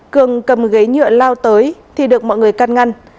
cường cầm ghế nhựa lao tới thì được mọi người căn ngăn